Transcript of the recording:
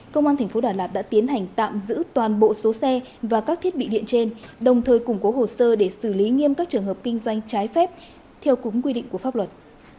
công an tp đà lạt đã tiến hành tạm giữ toàn bộ số xe và các thiết bị điện trên đồng thời củng cố hồ sơ để xử lý nghiêm các trường hợp kinh doanh trái phép theo đúng quy định của pháp luật